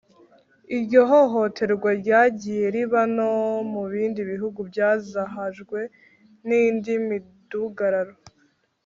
iryo hohoterwa ryagiye riba no mu bindi bihugu byazahajwe n’indi midugararo